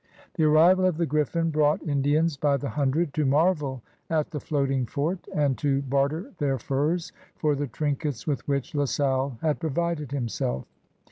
The arrival of the Griffin brought Indians by the himdred to marvel at the "floating fort'' and to barter their furs for the trinkets with which La Salle had provided himself.